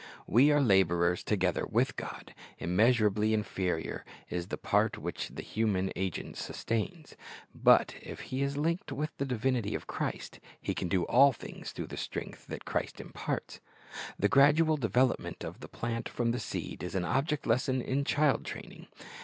"We are laborers together with God."^ Immeasurably inferior is the part which the human agent sustains; but if he is linked with the divinity of Christ, he can do all things through the strength that Christ imparts. The gradual development of the plant from the seed is an object lesson in child training.